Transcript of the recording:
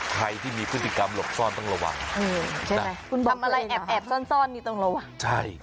ใครที่มีพฤติกรรมหลบซ่อนต้องระวังใช่ไหมคุณทำอะไรแอบแอบซ่อนซ่อนนี่ต้องระวังใช่